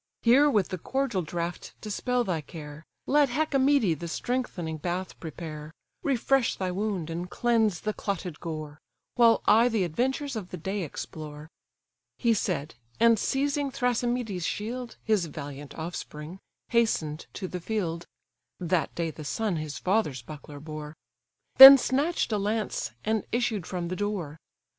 Here with the cordial draught dispel thy care, Let Hecamede the strengthening bath prepare, Refresh thy wound, and cleanse the clotted gore; While I the adventures of the day explore." He said: and, seizing Thrasymedes' shield, (His valiant offspring,) hasten'd to the field; (That day the son his father's buckler bore;) Then snatch'd a lance, and issued from the door.